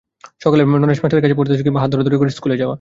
সকালে নরেশ মাস্টারের কাছে পড়তে কিংবা হাত ধরাধরি করে স্কুলে যাওয়া।